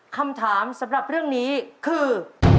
คำถามสำหรับเรื่องนี้คือ